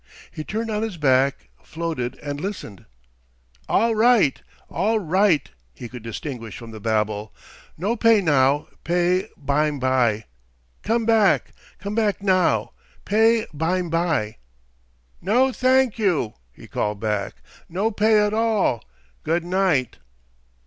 He turned on his back, floated, and listened. "All right! All right!" he could distinguish from the babel. "No pay now; pay bime by! Come back! Come back now; pay bime by!" "No, thank you," he called back. "No pay at all. Good night."